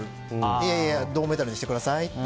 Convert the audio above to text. いやいや銅メダルにしてくださいって。